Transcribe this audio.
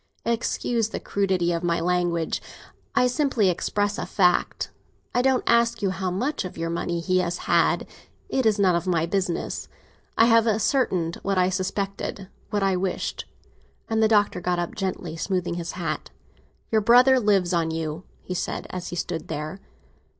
Excuse the crudity of my language; I simply express a fact. I don't ask you how much of your money he has had, it is none of my business. I have ascertained what I suspected—what I wished." And the Doctor got up, gently smoothing his hat. "Your brother lives on you," he said as he stood there.